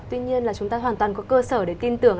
tuy nhiên là chúng ta hoàn toàn có cơ sở để tin tưởng